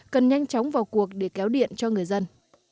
cần nhanh chóng vào cuộc để kéo điện cho người dân